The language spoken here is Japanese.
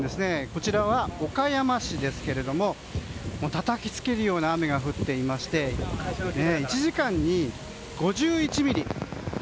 こちらは岡山市ですけれどもたたきつけるような雨が降っていまして１時間に５１ミリ。